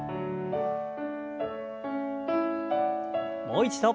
もう一度。